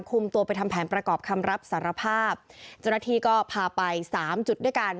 คุมตัวไปทำแผนประกอบคำรับสารภาพเจ้าหน้าที่ก็พาไปสามจุดด้วยกัน